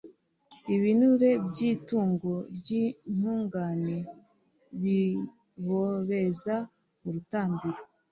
Ibinure by’itungo ry’intungane bibobeza urutambiro,